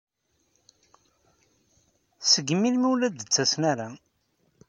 Seg melmi ur la d-ttasen ara?